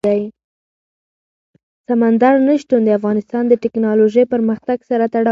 سمندر نه شتون د افغانستان د تکنالوژۍ پرمختګ سره تړاو لري.